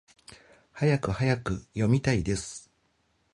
はやくはやく！読みたいです！